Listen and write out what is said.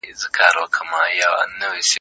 په بهرني سياست کي ملي ګټي تر ټولو مخکي دي.